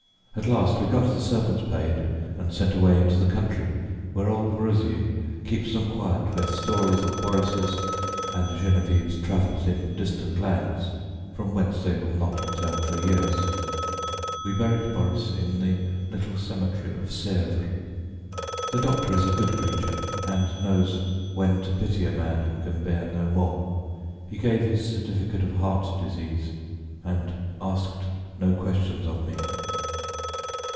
At last we got the servants paid and sent away into the country, where old Rosier keeps them quiet with stones of Boris' and Geneviève's travels in distant lands, from whence they will not return for years. We buried Boris in the little cemetery of Sèvres. The doctor is a good creature, and knows when to pity a man who can bear no more. He gave his certificate of heart disease and asked no questions of me."